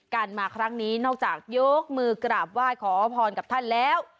มาครั้งนี้นอกจากยกมือกราบไหว้ขอพรกับท่านแล้ว